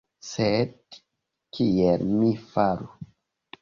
Sed kiel mi faru?